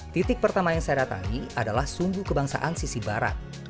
titik pertama yang saya datangi adalah sumbu kebangsaan sisi barat